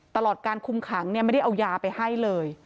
ตลอดการคุมขังไม่ได้เอายาไปให้เลย